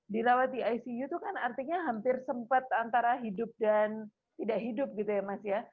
dirawat di icu itu kan artinya hampir sempat antara hidup dan tidak hidup gitu ya mas ya